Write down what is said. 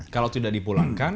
kalau tidak dipulangkan